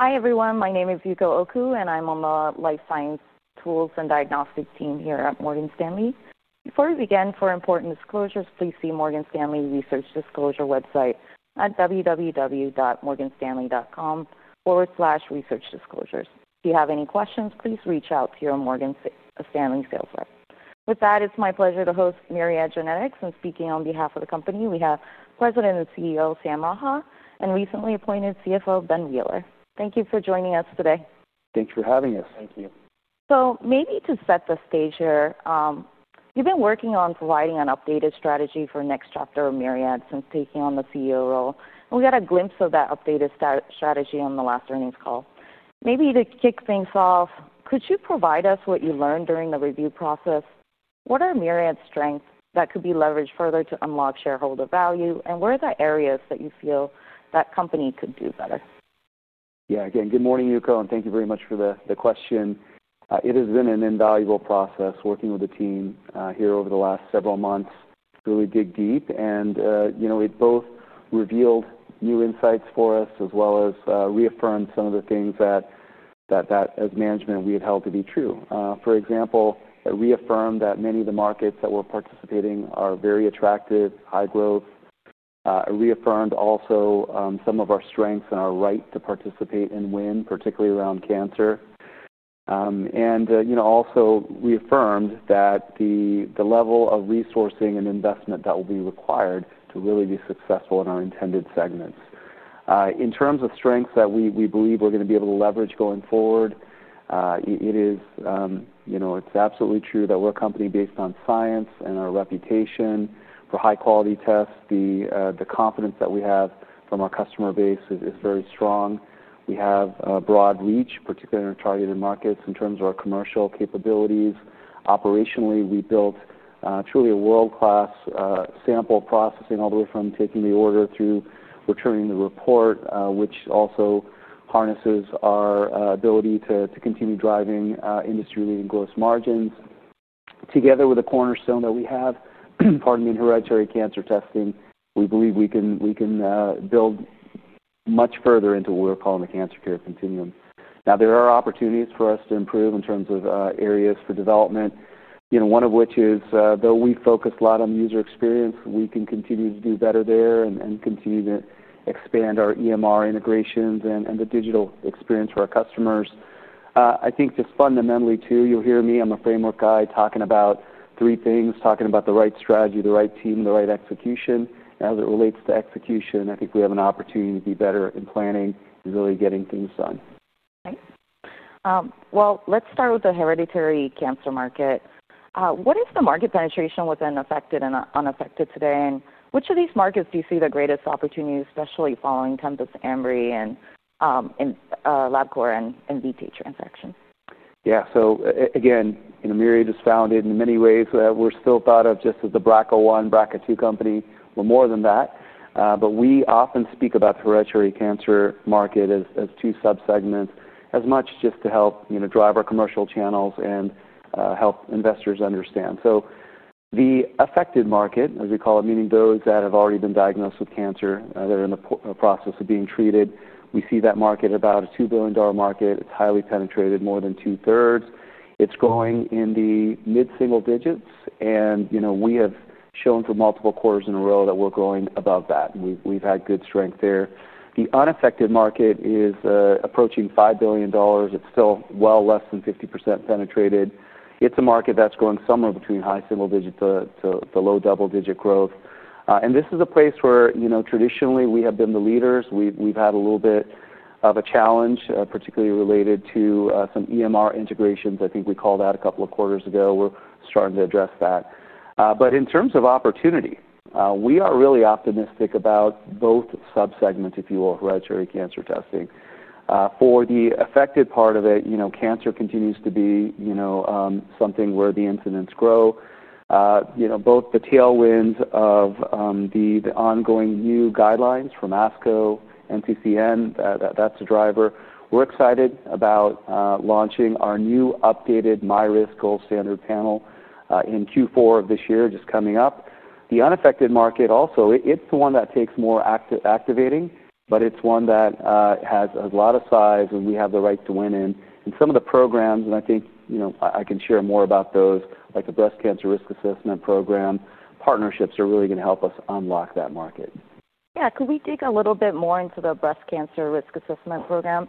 Hi everyone. My name is Yuko Oko, and I'm on the Life Science Tools and Diagnostics team here at Morgan Stanley. Before we begin, for important disclosures, please see Morgan Stanley research disclosure website at www.morganstanley.com/researchdisclosures. If you have any questions, please reach out to your Morgan Stanley sales rep. With that, it's my pleasure to host Myriad Genetics. Speaking on behalf of the company, we have President and CEO Sam Raha and recently appointed CFO Ben Wheeler. Thank you for joining us today. Thanks for having us. Thank you. To set the stage here, you've been working on providing an updated strategy for the next chapter of Myriad Genetics since taking on the CEO role. We got a glimpse of that updated strategy on the last earnings call. To kick things off, could you provide us what you learned during the review process? What are Myriad Genetics' strengths that could be leveraged further to unlock shareholder value? What are the areas that you feel the company could do better? Good morning, Yuko, and thank you very much for the question. It has been an invaluable process working with the team here over the last several months to really dig deep. It both revealed new insights for us as well as reaffirmed some of the things that, as management, we had held to be true. For example, it reaffirmed that many of the markets that we're participating in are very attractive, high growth. It reaffirmed also some of our strengths and our right to participate and win, particularly around cancer. It also reaffirmed that the level of resourcing and investment that will be required to really be successful in our intended segments. In terms of strengths that we believe we're going to be able to leverage going forward, it's absolutely true that we're a company based on science and our reputation for high-quality tests. The confidence that we have from our customer base is very strong. We have a broad reach, particularly in our targeted markets in terms of our commercial capabilities. Operationally, we built truly a world-class sample processing all the way from taking the order through returning the report, which also harnesses our ability to continue driving industry-leading gross margins. Together with the cornerstone that we have in hereditary cancer testing, we believe we can build much further into what we're calling the cancer care continuum. There are opportunities for us to improve in terms of areas for development. One of which is, though we focus a lot on user experience, we can continue to do better there and continue to expand our EMR integrations and the digital experience for our customers. I think just fundamentally too, you'll hear me, I'm a framework guy talking about three things, talking about the right strategy, the right team, the right execution. As it relates to execution, I think we have an opportunity to be better in planning and really getting things done. Thanks. Let's start with the hereditary cancer market. What is the market penetration within affected and unaffected today? Which of these markets do you see the greatest opportunities, especially following Tempus, Embry, LabCorp, and Invitae transaction? Yeah, so again, you know, Myriad Genetics was founded in many ways that we're still thought of just as the BRCA1, BRCA2 company. We're more than that. We often speak about the hereditary cancer market as two subsegments, as much just to help drive our commercial channels and help investors understand. The affected market, as we call it, meaning those that have already been diagnosed with cancer, they're in the process of being treated. We see that market as about a $2 billion market. It's highly penetrated, more than two-thirds. It's going in the mid-single digits. We have shown for multiple quarters in a row that we're going above that. We've had good strength there. The unaffected market is approaching $5 billion. It's still well less than 50% penetrated. It's a market that's going somewhere between high single digit to low double digit growth. This is a place where, traditionally, we have been the leaders. We've had a little bit of a challenge, particularly related to some EMR integration. I think we called out a couple of quarters ago. We're starting to address that. In terms of opportunity, we are really optimistic about both subsegments, if you will, of hereditary cancer testing. For the affected part of it, cancer continues to be something where the incidence grows. Both the tailwinds of the ongoing new guidelines from ASCO, NCCN, that's a driver. We're excited about launching our new updated myRisk gold standard panel in Q4 of this year, just coming up. The unaffected market also, it's the one that takes more activating, but it's one that has a lot of size and we have the right to win in. Some of the programs, and I think I can share more about those, like the breast cancer risk assessment program, partnerships are really going to help us unlock that market. Yeah, could we dig a little bit more into the breast cancer risk assessment program,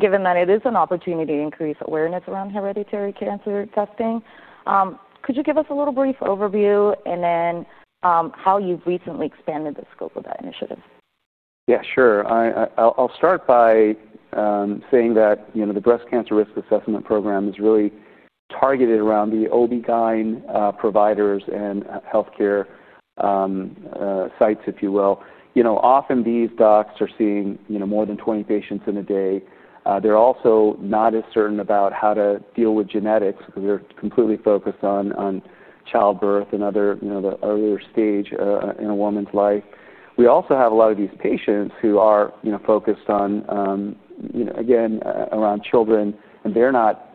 given that it is an opportunity to increase awareness around hereditary cancer testing? Could you give us a little brief overview and then how you've recently expanded the scope of that initiative? Yeah, sure. I'll start by saying that the breast cancer risk assessment program is really targeted around the OB-GYN providers and healthcare sites, if you will. Often these docs are seeing more than 20 patients in a day. They're also not as certain about how to deal with genetics because we're completely focused on childbirth and other, you know, the earlier stage in a woman's life. We also have a lot of these patients who are focused on, again, around children, and they're not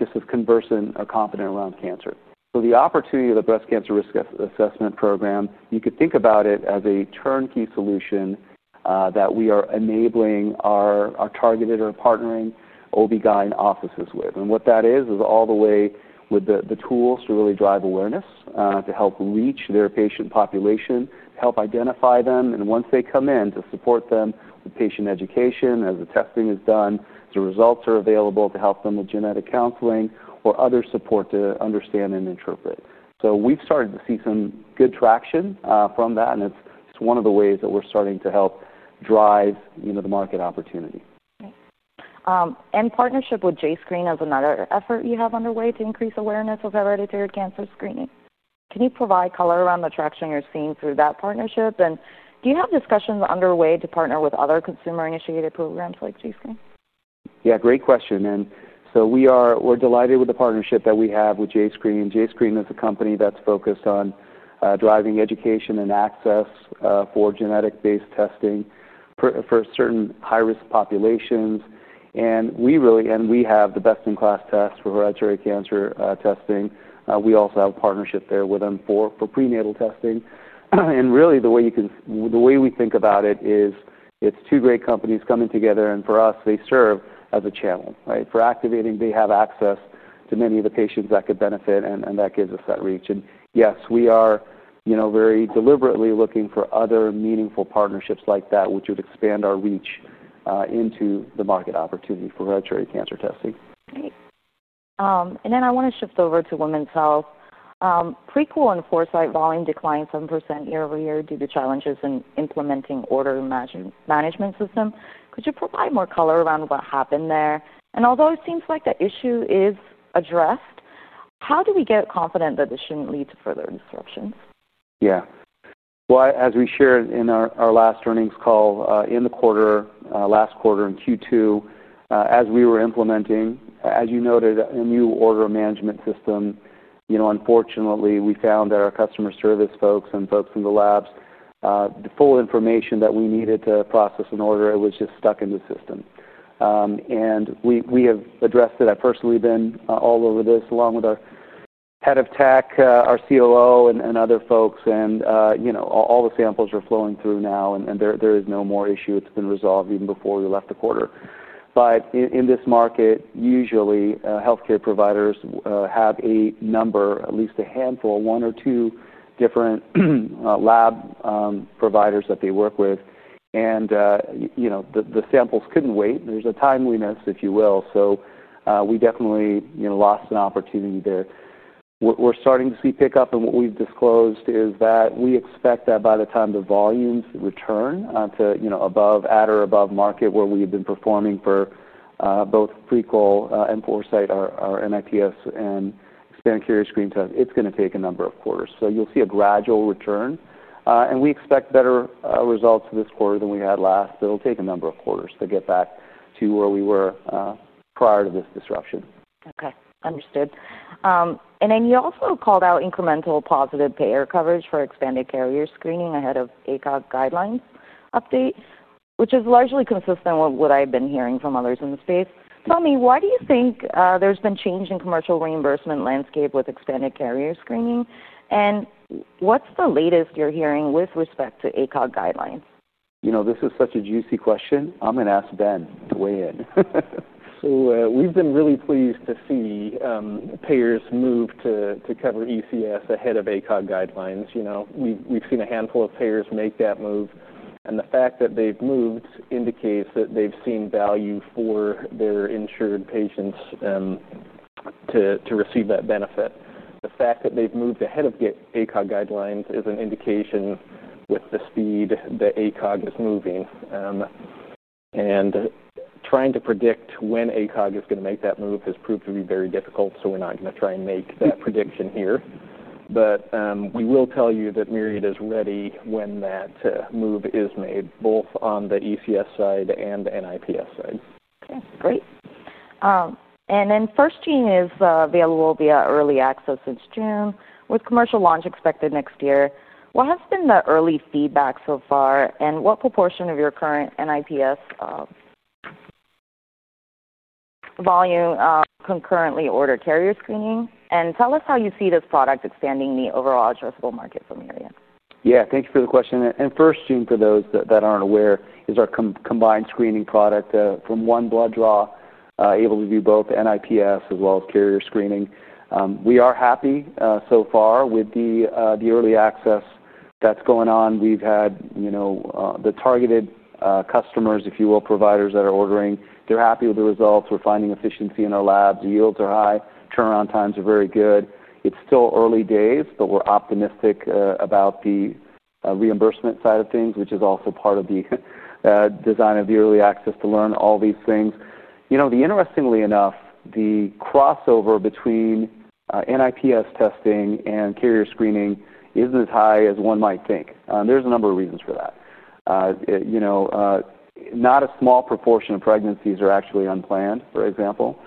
just as conversant or competent around cancer. The opportunity of the breast cancer risk assessment program, you could think about it as a turnkey solution that we are enabling our targeted or partnering OB-GYN offices with. What that is, is all the way with the tools to really drive awareness, to help reach their patient population, help identify them, and once they come in, to support them with patient education as the testing is done, the results are available to help them with genetic counseling or other support to understand and interpret. We've started to see some good traction from that, and it's one of the ways that we're starting to help drive the market opportunity. Nice. The partnership with JScreen is another effort you have underway to increase awareness of hereditary cancer screening. Can you provide color around the traction you're seeing through that partnership? Do you have discussions underway to partner with other consumer-initiated programs like JScreen? Yeah, great question. We are delighted with the partnership that we have with JScreen. JScreen is a company that's focused on driving education and access for genetic-based testing for certain high-risk populations. We have the best-in-class tests for hereditary cancer testing. We also have a partnership there with them for prenatal testing. The way we think about it is it's two great companies coming together, and for us, they serve as a channel, right? For activating, they have access to many of the patients that could benefit, and that gives us that reach. Yes, we are very deliberately looking for other meaningful partnerships like that, which would expand our reach into the market opportunity for hereditary cancer testing. Nice. I want to shift over to women's health. Prequel and Foresight volume declined 7% year over year due to challenges in implementing order management system. Could you provide more color around what happened there? Although it seems like the issue is addressed, how do we get confident that it shouldn't lead to further disruptions? As we shared in our last earnings call in the quarter, last quarter in Q2, as we were implementing, as you noted, a new order management system, unfortunately, we found that our customer service folks and folks from the labs, the full information that we needed to process an order, it was just stuck in the system. We have addressed it. I've personally been all over this along with our Head of Tech, our COO, and other folks. All the samples are flowing through now, and there is no more issue. It's been resolved even before we left the quarter. In this market, usually, healthcare providers have a number, at least a handful, one or two different lab providers that they work with. The samples couldn't wait. There's a timeliness, if you will. We definitely lost an opportunity there. We're starting to see pickup, and what we've disclosed is that we expect that by the time the volumes return to, at or above market where we've been performing for both Prequel and Foresight, our NIPS and expanded carrier screen test, it's going to take a number of quarters. You'll see a gradual return. We expect better results this quarter than we had last. It'll take a number of quarters to get back to where we were prior to this disruption. Okay, understood. You also called out incremental positive payer coverage for expanded carrier screening ahead of ACOG guidelines update, which is largely consistent with what I've been hearing from others in the space. Tell me, why do you think there's been change in commercial reimbursement landscape with expanded carrier screening? What's the latest you're hearing with respect to ACOG guidelines? This is such a juicy question. I'm going to ask Ben to weigh in. We've been really pleased to see payers move to cover ECS ahead of ACOG guidelines. We've seen a handful of payers make that move, and the fact that they've moved indicates that they've seen value for their insured patients to receive that benefit. The fact that they've moved ahead of ACOG guidelines is an indication with the speed that ACOG is moving. Trying to predict when ACOG is going to make that move has proved to be very difficult, so we're not going to try and make that prediction here. We will tell you that Myriad Genetics is ready when that move is made, both on the ECS side and the NIPS side. Okay, great. FirstGene is available via early access since June, with commercial launch expected next year. What has been the early feedback so far, and what proportion of your current NIPS volume concurrently order carrier screening? Tell us how you see this product expanding the overall addressable market for Myriad Genetics. Yeah, thank you for the question. FirstGene, for those that aren't aware, is our combined screening product from one blood draw, able to do both NIPS as well as carrier screening. We are happy so far with the early access that's going on. We've had the targeted customers, if you will, providers that are ordering. They're happy with the results. We're finding efficiency in our labs. The yields are high. Turnaround times are very good. It's still early days, but we're optimistic about the reimbursement side of things, which is also part of the design of the early access to learn all these things. Interestingly enough, the crossover between NIPS testing and carrier screening isn't as high as one might think. There's a number of reasons for that. Not a small proportion of pregnancies are actually unplanned, for example.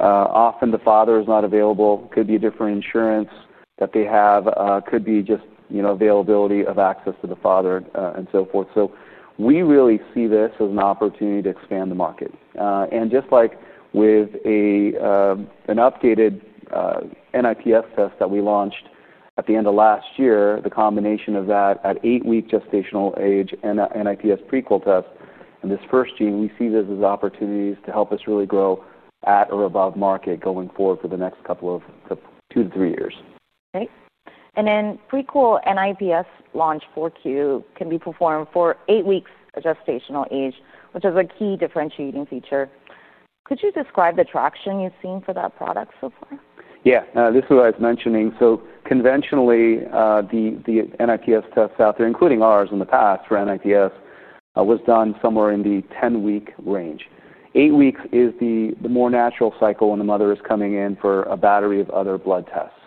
Often, the father is not available. It could be different insurance that they have. It could be just availability of access to the father and so forth. We really see this as an opportunity to expand the market. Just like with an updated NIPS test that we launched at the end of last year, the combination of that at eight-week gestational age and NIPS Prequel test and this FirstGene, we see this as opportunities to help us really grow at or above market going forward for the next couple of two to three years. Great. The Prequel NIPS launch in 4Q can be performed for eight weeks of gestational age, which is a key differentiating feature. Could you describe the traction you've seen for that product so far? Yeah, this is what I was mentioning. Conventionally, the NIPS tests out there, including ours in the past for NIPS, was done somewhere in the 10-week range. Eight weeks is the more natural cycle when the mother is coming in for a battery of other blood tests.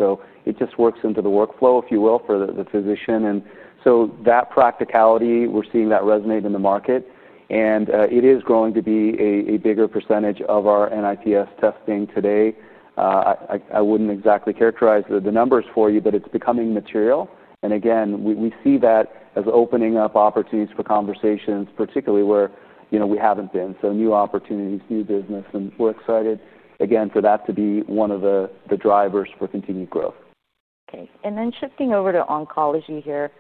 It just works into the workflow, if you will, for the physician. That practicality, we're seeing that resonate in the market. It is growing to be a bigger % of our NIPS testing today. I wouldn't exactly characterize the numbers for you, but it's becoming material. We see that as opening up opportunities for conversations, particularly where, you know, we haven't been. New opportunities, new business, and we're excited again for that to be one of the drivers for continued growth. Great. Shifting over to oncology here,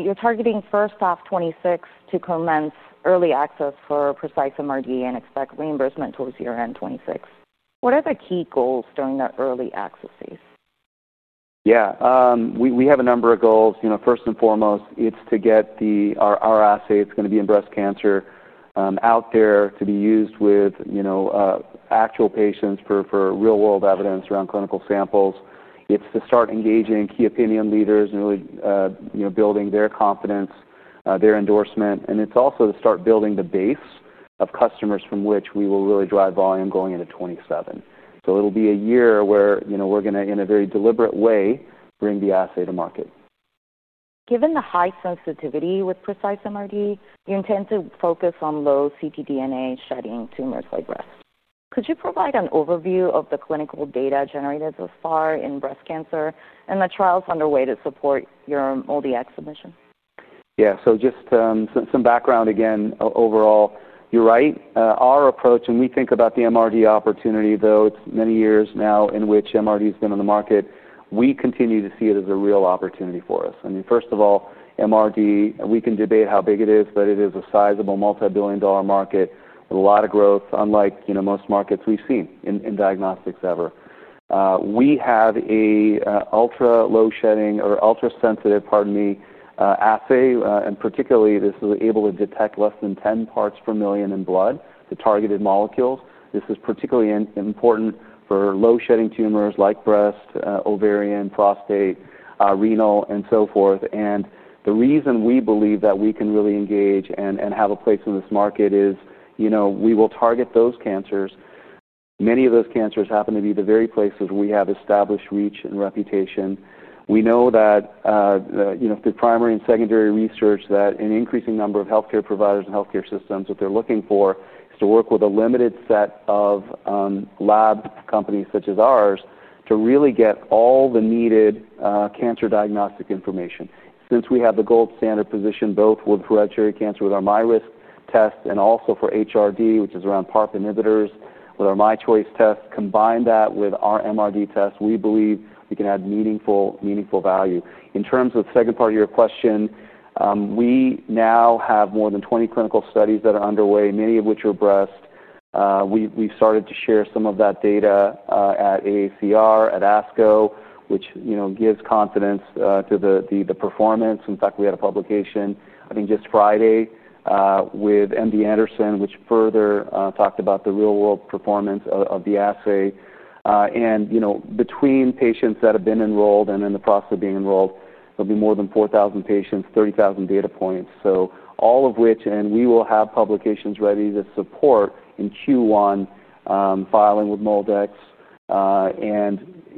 you're targeting 2026 to commence early access for Precise MRD and expect reimbursement towards year-end 2026. What are the key goals during the early access? Yeah, we have a number of goals. First and foremost, it's to get our assay that's going to be in breast cancer out there to be used with actual patients for real-world evidence around clinical samples. It's to start engaging key opinion leaders and really building their confidence, their endorsement. It's also to start building the base of customers from which we will really drive volume going into 2027. It will be a year where we're going to, in a very deliberate way, bring the assay to market. Given the high sensitivity with Precise MRD, you intend to focus on low ctDNA shedding tumors like breast. Could you provide an overview of the clinical data generated thus far in breast cancer and the trials underway to support your MOLDIX submission? Yeah, so just some background again. Overall, you're right. Our approach, when we think about the MRD opportunity, though it's many years now in which MRD has been on the market, we continue to see it as a real opportunity for us. First of all, MRD, we can debate how big it is, but it is a sizable multibillion dollar market with a lot of growth, unlike most markets we've seen in diagnostics ever. We have an ultra-low shedding or ultra-sensitive, pardon me, assay, and particularly this is able to detect less than 10 parts per million in blood, the targeted molecule. This is particularly important for low shedding tumors like breast, ovarian, prostate, renal, and so forth. The reason we believe that we can really engage and have a place in this market is we will target those cancers. Many of those cancers happen to be the very places where we have established reach and reputation. We know that through primary and secondary research, that an increasing number of healthcare providers and healthcare systems, what they're looking for is to work with a limited set of lab companies such as ours to really get all the needed cancer diagnostic information. Since we have the gold standard position both with hereditary cancer with our myRisk test and also for HRD, which is around PARP inhibitors, with our myChoice test, combine that with our MRD test, we believe we can add meaningful value. In terms of the second part of your question, we now have more than 20 clinical studies that are underway, many of which are breast. We've started to share some of that data at AACR, at ASCO, which gives confidence to the performance. In fact, we had a publication, I think, just Friday with MD Anderson, which further talked about the real-world performance of the assay. Between patients that have been enrolled and in the process of being enrolled, there'll be more than 4,000 patients, 30,000 data points. All of which, and we will have publications ready to support in Q1 filing with MOLDEX.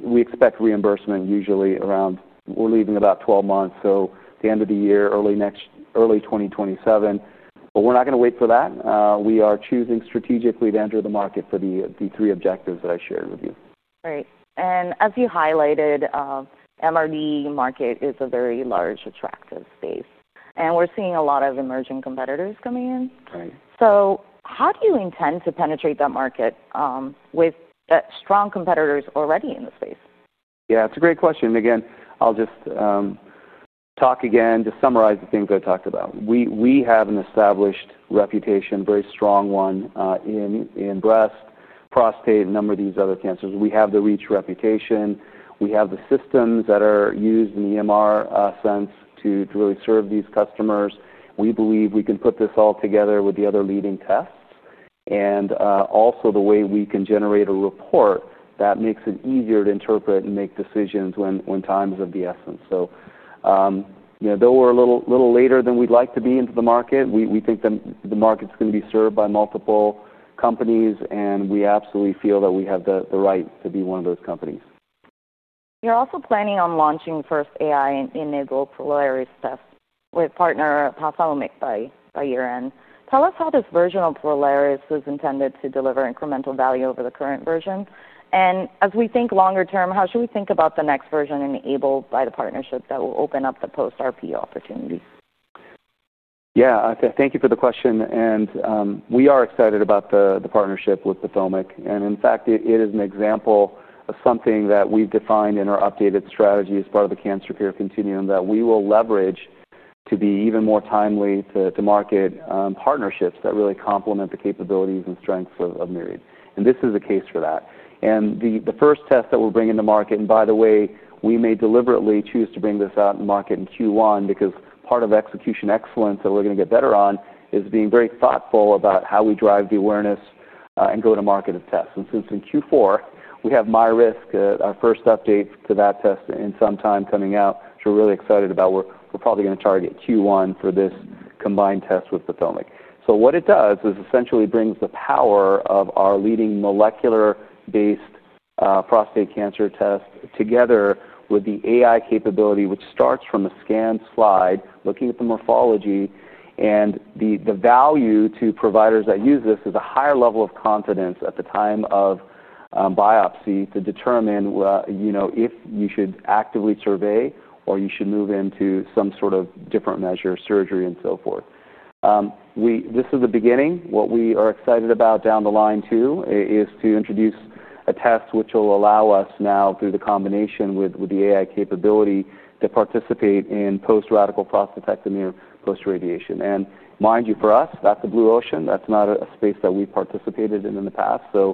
We expect reimbursement usually around, we're leaving about 12 months, so the end of the year, early next, early 2027. We're not going to wait for that. We are choosing strategically to enter the market for the three objectives that I shared with you. Right. As you highlighted, the MRD market is a very large, attractive space. We're seeing a lot of emerging competitors coming in. How do you intend to penetrate that market with strong competitors already in the space? Yeah, it's a great question. I'll just talk again to summarize the things I talked about. We have an established reputation, a very strong one in breast, prostate, and a number of these other cancers. We have the reach reputation. We have the systems that are used in the EMR sense to really serve these customers. We believe we can put this all together with the other leading tests. Also, the way we can generate a report that makes it easier to interpret and make decisions when time is of the essence. Though we're a little later than we'd like to be into the market, we think that the market's going to be served by multiple companies, and we absolutely feel that we have the right to be one of those companies. You're also planning on launching first AI-enabled Prolaris tests with partner PathomIQ by year-end. Tell us how this version of Prolaris is intended to deliver incremental value over the current version. As we think longer term, how should we think about the next version enabled by the partnership that will open up the post-radical prostatectomy opportunities? Thank you for the question. We are excited about the partnership with PathomIQ. In fact, it is an example of something that we've defined in our updated strategy as part of the cancer care continuum that we will leverage to be even more timely to market partnerships that really complement the capabilities and strengths of Myriad Genetics. This is a case for that. The first test that we'll bring into market, and by the way, we may deliberately choose to bring this out in market in Q1 because part of execution excellence that we're going to get better on is being very thoughtful about how we drive the awareness and go to market of tests. Since in Q4, we have myRisk, our first update to that test in some time coming out, which we're really excited about, we're probably going to target Q1 for this combined test with PathomIQ. What it does is essentially bring the power of our leading molecular-based prostate cancer test together with the AI capability, which starts from the scan slide, looking at the morphology. The value to providers that use this is a higher level of confidence at the time of biopsy to determine if you should actively survey or you should move into some sort of different measure, surgery and so forth. This is the beginning. We are excited about down the line too is to introduce a test which will allow us now through the combination with the AI capability to participate in post-radical prostatectomy or post-radiation. For us, that's a blue ocean. That's not a space that we've participated in in the past. We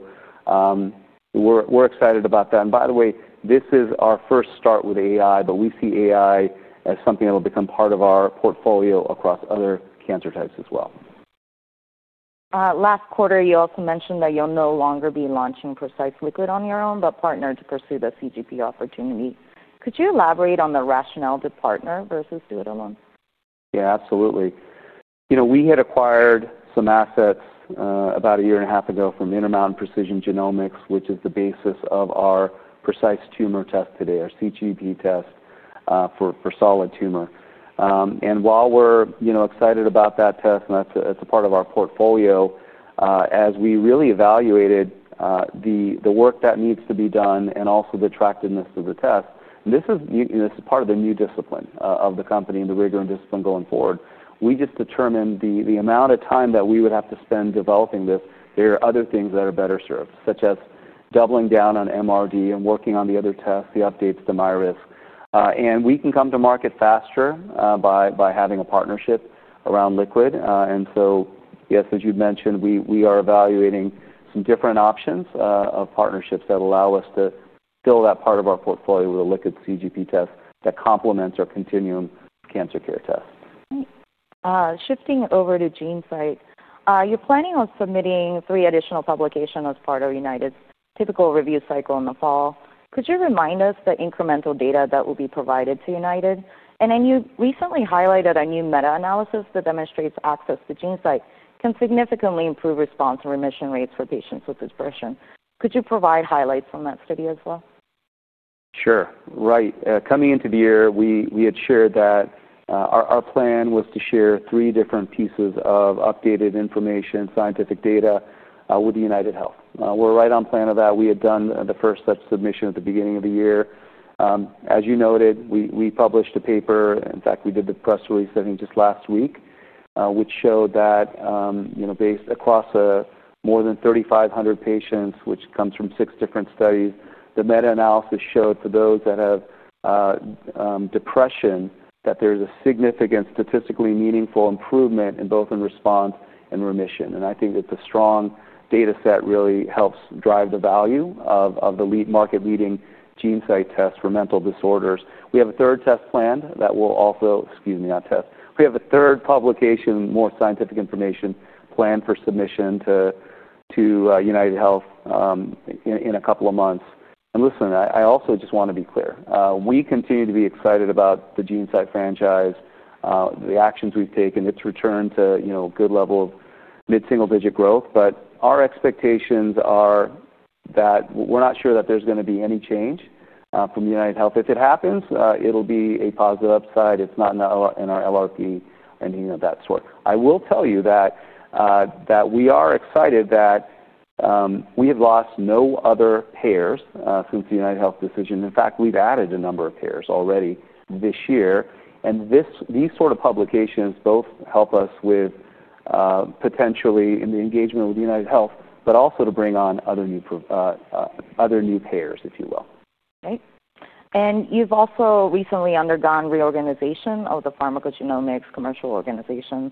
are excited about that. By the way, this is our first start with AI, but we see AI as something that will become part of our portfolio across other cancer types as well. Last quarter, you also mentioned that you'll no longer be launching Precise MRD assay on your own, but partner to pursue the liquid CGP opportunity. Could you elaborate on the rationale to partner versus do it alone? Yeah, absolutely. We had acquired some assets about a year and a half ago from the Intermountain Precision Genomics, which is the basis of our Precise Tumor Test today, our CGP test for solid tumor. While we're excited about that test, and that's a part of our portfolio, as we really evaluated the work that needs to be done and also the attractiveness of the test, this is part of the new discipline of the company and the way we're going to discipline going forward. We just determined the amount of time that we would have to spend developing this, there are other things that are better served, such as doubling down on MRD and working on the other tests, the updates, the myRisk. We can come to market faster by having a partnership around Liquid. Yes, as you mentioned, we are evaluating some different options of partnerships that allow us to fill that part of our portfolio with a Liquid CGP test that complements our continuum cancer care test. Right. Shifting over to GeneSight, you're planning on submitting three additional publications as part of United's typical review cycle in the fall. Could you remind us the incremental data that will be provided to United? You recently highlighted a new meta-analysis that demonstrates access to GeneSight can significantly improve response and remission rates for patients with this version. Could you provide highlights from that study as well? Sure. Right. Coming into the year, we had shared that our plan was to share three different pieces of updated information, scientific data with United Health. We're right on plan for that. We had done the first submission at the beginning of the year. As you noted, we published a paper. In fact, we did the press release, I think, just last week, which showed that, you know, based across more than 3,500 patients, which comes from six different studies, the meta-analysis showed for those that have depression that there's a significant, statistically meaningful improvement in both response and remission. I think that the strong data set really helps drive the value of the market-leading GeneSight test for mental disorders. We have a third publication, more scientific information planned for submission to United Health in a couple of months. I also just want to be clear. We continue to be excited about the GeneSight franchise, the actions we've taken, its return to, you know, a good level of mid-single digit growth. Our expectations are that we're not sure that there's going to be any change from United Health. If it happens, it'll be a positive upside. It's not in our LRP and anything of that sort. I will tell you that we are excited that we have lost no other payers since the United Health decision. In fact, we've added a number of payers already this year. These sort of publications both help us with potentially in the engagement with United Health, but also to bring on other new payers, if you will. Right. You've also recently undergone reorganization of the pharmacogenomics commercial organization.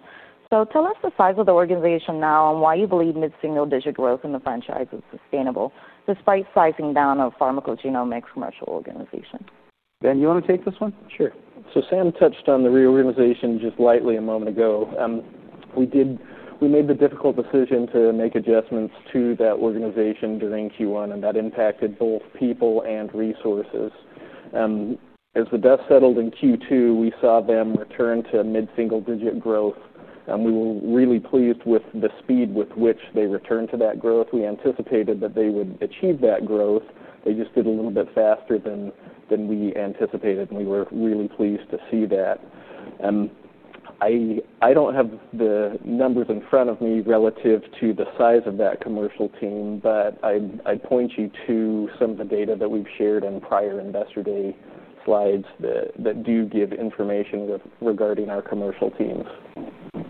Tell us the size of the organization now and why you believe mid-single digit growth in the franchise is sustainable despite sizing down of the pharmacogenomics commercial organization. Ben, you want to take this one? Sure. Sam touched on the reorganization just lightly a moment ago. We made the difficult decision to make adjustments to that organization during Q1, and that impacted both people and resources. As the dust settled in Q2, we saw them return to mid-single digit growth. We were really pleased with the speed with which they returned to that growth. We anticipated that they would achieve that growth. They just did a little bit faster than we anticipated, and we were really pleased to see that. I don't have the numbers in front of me relative to the size of that commercial team, but I'd point you to some of the data that we've shared in prior and yesterday slides that do give information regarding our commercial teams. You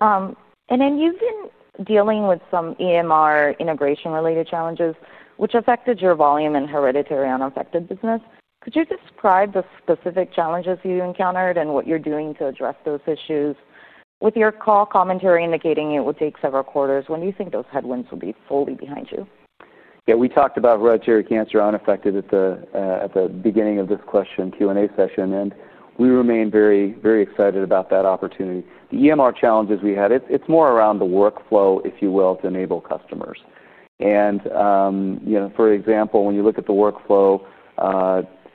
have been dealing with some EMR integration-related challenges, which affected your volume and hereditary unaffected business. Could you describe the specific challenges you encountered and what you're doing to address those issues? With your call commentary indicating it would take several quarters, when do you think those headwinds would be solely behind you? Yeah, we talked about hereditary cancer unaffected at the beginning of this Q&A session, and we remain very, very excited about that opportunity. The EMR challenges we had, it's more around the workflow, if you will, to enable customers. For example, when you look at the workflow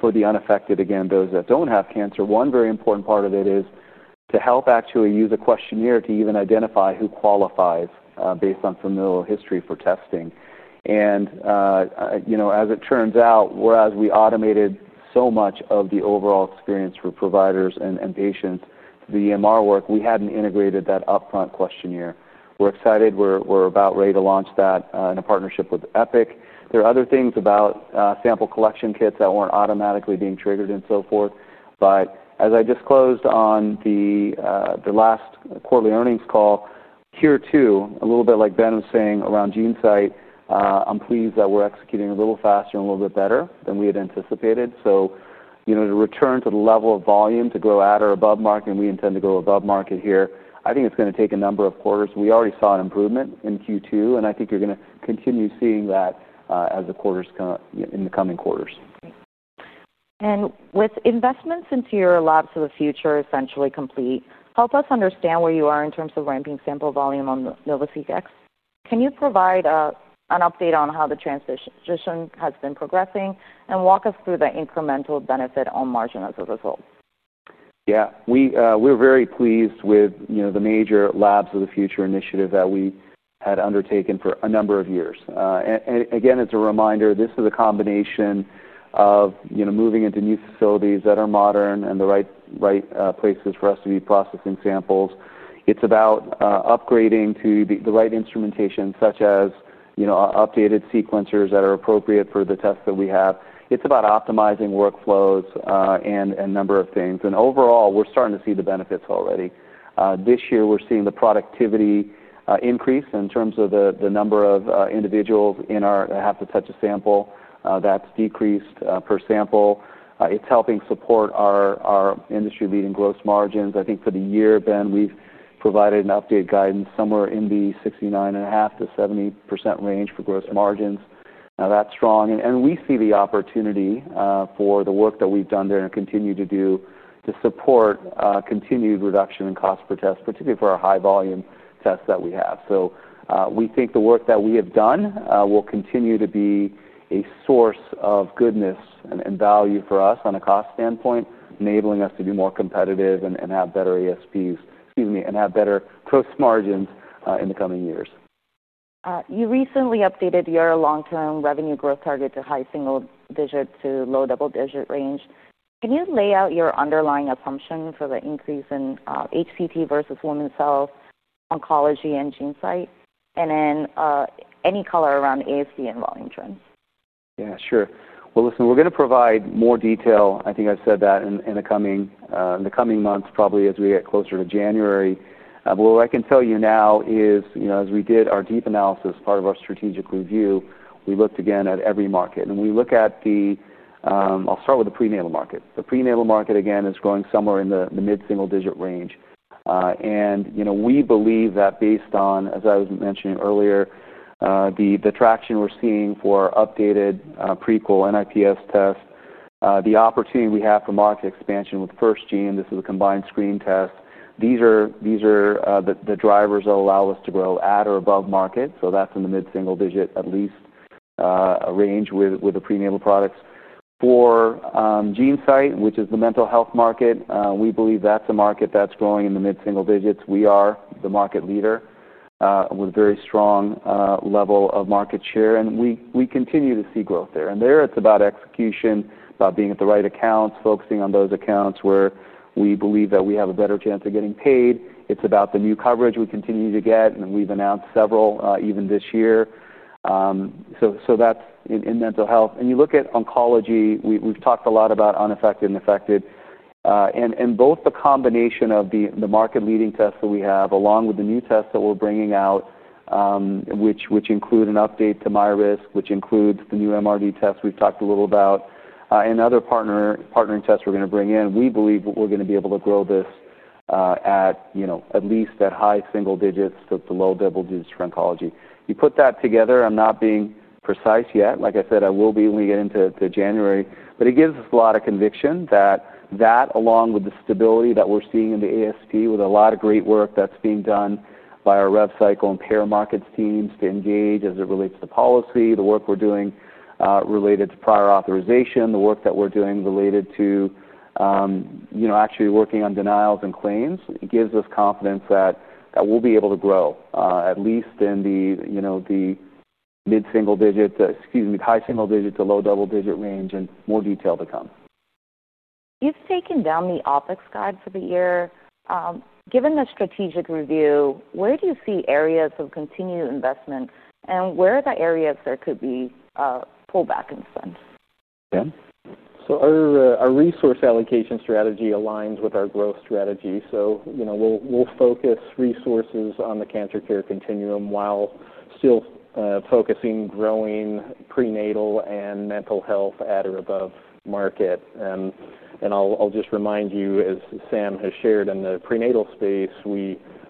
for the unaffected, again, those that don't have cancer, one very important part of it is to help actually use a questionnaire to even identify who qualifies based on familial history for testing. As it turns out, whereas we automated so much of the overall experience for providers and patients, the EMR work, we hadn't integrated that upfront questionnaire. We're excited. We're about ready to launch that in a partnership with Epic. There are other things about sample collection kits that weren't automatically being triggered and so forth. As I disclosed on the last quarterly earnings call, here too, a little bit like Ben was saying around GeneSight, I'm pleased that we're executing a little faster and a little bit better than we had anticipated. To return to the level of volume to go at or above market, and we intend to go above market here, I think it's going to take a number of quarters. We already saw an improvement in Q2, and I think you're going to continue seeing that as the quarters come in the coming quarters. With investments into your labs of the future essentially complete, help us understand where you are in terms of ramping sample volume on NovoCDEX. Can you provide an update on how the transition has been progressing and walk us through the incremental benefit on margin as a result? Yeah, we're very pleased with the major labs of the future initiative that we had undertaken for a number of years. As a reminder, this is a combination of moving into new facilities that are modern and the right places for us to be processing samples. It's about upgrading to the right instrumentation, such as updated sequencers that are appropriate for the tests that we have. It's about optimizing workflows and a number of things. Overall, we're starting to see the benefits already. This year, we're seeing the productivity increase in terms of the number of individuals in our labs that have to touch a sample; that's decreased per sample. It's helping support our industry-leading gross margins. I think for the year, Ben, we've provided an updated guidance somewhere in the 69.5% to 70% range for gross margins. That's strong. We see the opportunity for the work that we've done there and continue to do to support continued reduction in cost per test, particularly for our high volume tests that we have. We think the work that we have done will continue to be a source of goodness and value for us on a cost standpoint, enabling us to be more competitive and have better ASPs, excuse me, and have better gross margins in the coming years. You recently updated your long-term revenue growth target to high single digit to low double digit range. Can you lay out your underlying assumption for the increase in HCT versus women's health oncology and GeneSight? Any color around ASD and volume trends? Yeah, sure. We're going to provide more detail. I think I've said that in the coming months, probably as we get closer to January. What I can tell you now is, as we did our deep analysis, part of our strategic review, we looked again at every market. When we look at the, I'll start with the prenatal market. The prenatal market is growing somewhere in the mid-single digit range. We believe that based on, as I was mentioning earlier, the traction we're seeing for updated Prequel NIPS tests, the opportunity we have for market expansion with FirstGene, this is a combined screen test. These are the drivers that allow us to grow at or above market. That's in the mid-single digit, at least a range with the prenatal products. For GeneSight, which is the mental health market, we believe that's a market that's growing in the mid-single digits. We are the market leader with a very strong level of market share. We continue to see growth there. There, it's about execution, about being at the right accounts, focusing on those accounts where we believe that we have a better chance of getting paid. It's about the new coverage we continue to get. We've announced several even this year. That's in mental health. You look at oncology, we've talked a lot about unaffected and affected. In both the combination of the market leading tests that we have, along with the new tests that we're bringing out, which include an update to myRisk, which includes the new MRD tests we've talked a little about, and other partnering tests we're going to bring in, we believe we're going to be able to grow this at, you know, at least at high single digits to low double digits for oncology. You put that together, I'm not being precise yet. Like I said, I will be leaning into January. It gives us a lot of conviction that that, along with the stability that we're seeing in the AST, with a lot of great work that's being done by our rev cycle and peer markets teams to engage as it relates to policy, the work we're doing related to prior authorization, the work that we're doing related to actually working on denials and claims, it gives us confidence that we'll be able to grow at least in the high single digit to low double digit range and more detail to come. You've taken down the OpEx guide for the year. Given the strategic review, where do you see areas of continued investment? Where are the areas there could be pullback in the sense? Yeah. Our resource allocation strategy aligns with our growth strategy. We'll focus resources on the cancer care continuum while still focusing on growing prenatal and mental health at or above market. I'll just remind you, as Sam has shared, in the prenatal space,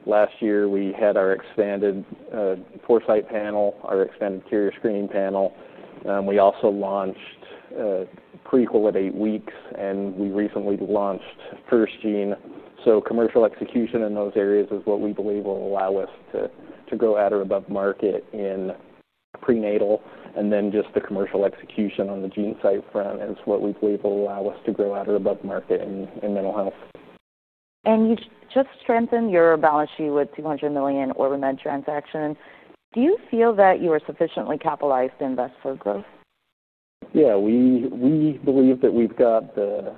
last year we had our expanded Foresight panel, our expanded carrier screening panel. We also launched Prequel at eight weeks, and we recently launched FirstGene. Commercial execution in those areas is what we believe will allow us to grow at or above market in prenatal. Just the commercial execution on the GeneSight front is what we believe will allow us to grow at or above market in mental health. You just strengthened your balance sheet with the $200 million OrbiMed transaction. Do you feel that you are sufficiently capitalized to invest for growth? Yeah, we believe that we've got the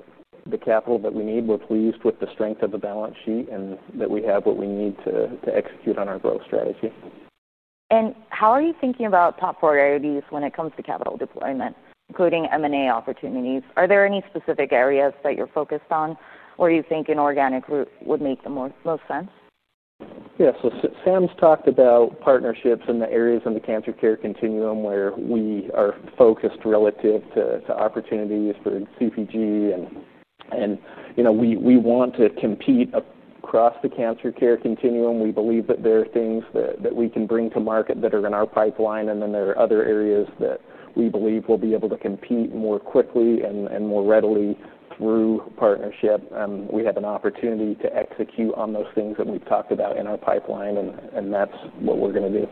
capital that we need, at least with the strength of the balance sheet, and that we have what we need to execute on our growth strategy. How are you thinking about top priorities when it comes to capital deployment, including M&A opportunities? Are there any specific areas that you're focused on where you think an organic route would make the most sense? Sam has talked about partnerships in the areas in the cancer care continuum where we are focused relative to opportunities for CGP. We want to compete across the cancer care continuum. We believe that there are things that we can bring to market that are in our pipeline, and there are other areas that we believe we'll be able to compete more quickly and more readily through partnership. We have an opportunity to execute on those things that we've talked about in our pipeline, and that's what we're going to do.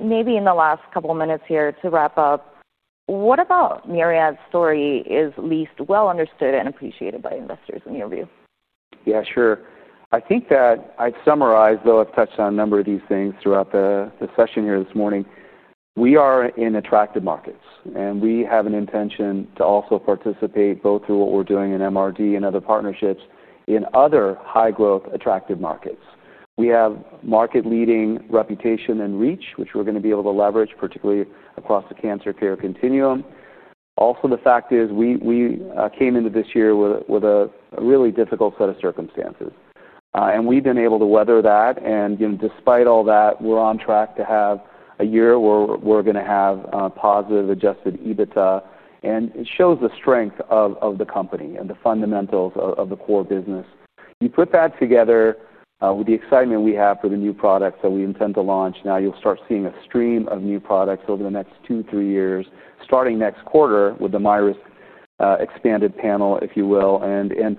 Maybe in the last couple of minutes here to wrap up, what about Myriad Genetics' story is least well understood and appreciated by investors in your view? Yeah, sure. I think that I've summarized, though I've touched on a number of these things throughout the session here this morning. We are in attractive markets, and we have an intention to also participate both through what we're doing in MRD and other partnerships in other high growth attractive markets. We have market leading reputation and reach, which we're going to be able to leverage, particularly across the cancer care continuum. The fact is we came into this year with a really difficult set of circumstances. We've been able to weather that. Despite all that, we're on track to have a year where we're going to have positive adjusted EBITDA. It shows the strength of the company and the fundamentals of the core business. You put that together with the excitement we have for the new products that we intend to launch. Now you'll start seeing a stream of new products over the next two, three years, starting next quarter with the myRisk panel expanded panel, if you will.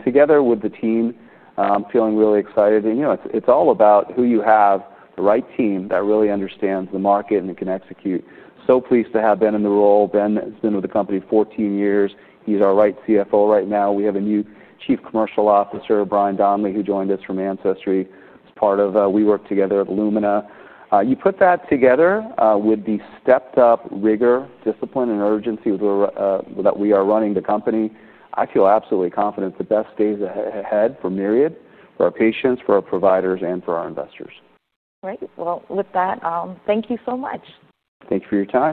Together with the team, I'm feeling really excited. It's all about who you have, the right team that really understands the market and can execute. Pleased to have Ben in the role. Ben has been with the company 14 years. He's our right CFO right now. We have a new Chief Commercial Officer, Brian Donnelly, who joined us from Ancestry. As part of, we work together at Lumina. You put that together with the stepped up rigor, discipline, and urgency that we are running the company. I feel absolutely confident the best days ahead for Myriad Genetics, for our patients, for our providers, and for our investors. Great. With that, thank you so much. Thank you for your time.